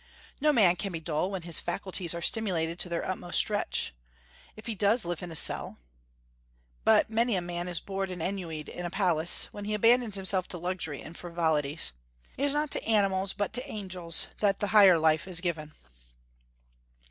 No man can be dull when his faculties are stimulated to their utmost stretch, if he does live in a cell; but many a man is bored and ennuied in a palace, when he abandons himself to luxury and frivolities. It is not to animals, but to angels, that the higher life is given.